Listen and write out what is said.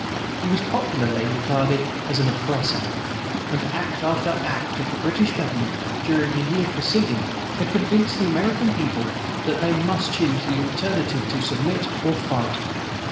He was popularly regarded as an oppressor; and act after act of the British government, during a year preceding, had convinced the American people that they must choose the alternative to submit or fight.